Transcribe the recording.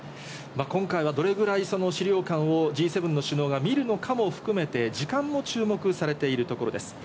今回はどれぐらい資料館をＧ７の首脳が見るのかも含めて、時間も注目されているところです。